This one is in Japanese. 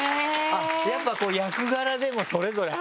やっぱ役柄でもそれぞれあるもんね。